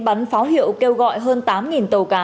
bắn pháo hiệu kêu gọi hơn tám tàu cá